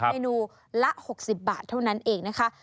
เมนูละ๖๐บาทเท่านั้นเองนะคะ